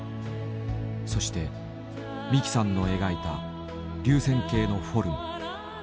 そして三木さんの描いた流線型のフォルム。